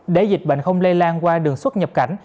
để dịch bệnh không lây lan qua đường xuất nhập cảnh